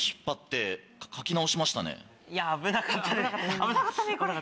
危なかったねこれ。